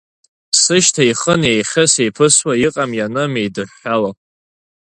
Сышьҭа ихын еихьыс еиԥысуа, иҟам-ианым еидыҳәҳәало.